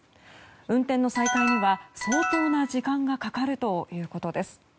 運転の再開には相当な時間がかかるということです。